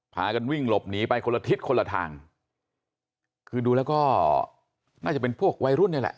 พากันวิ่งหลบหนีไปคนละทิศคนละทางคือดูแล้วก็น่าจะเป็นพวกวัยรุ่นนี่แหละ